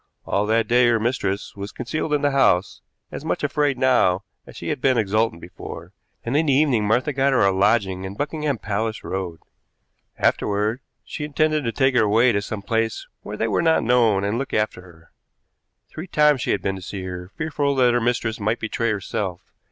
All that day her mistress was concealed in the house, as much afraid now as she had been exultant before, and in the evening Martha got her a lodging in Buckingham Palace Road. Afterward she intended to take her away to some place where they were not known and look after her. Three times she had been to see her, fearful that her mistress might betray herself.